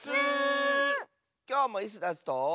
きょうもイスダスと。